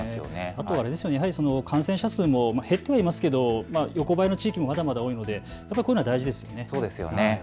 あとは感染者数も減ってはいますけれども横ばいの地域も多いのでこういうのは大事ですよね。